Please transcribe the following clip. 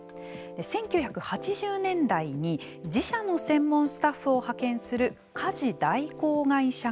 １９８０年代に自社の専門スタッフを派遣する家事代行会社が登場。